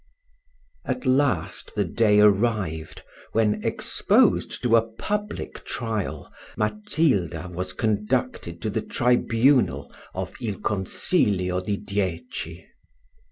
At last the day arrived, when, exposed to a public trial, Matilda was conducted to the tribunal of il consiglio di dieci.